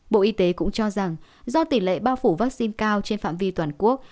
bộ y tế cũng cho rằng do tỷ lệ bao phủ vaccine cao trên phạm vi toàn quốc